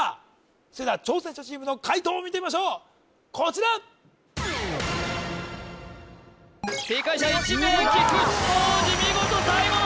それでは挑戦者チームの解答を見てみましょうこちら正解者１名菊地晃史